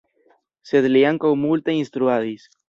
Sed li ankaŭ multe instruadis.